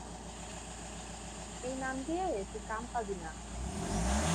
এই নাম দিয়ে তুই কাম পাবিনা।